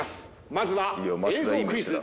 まずは映像クイズ。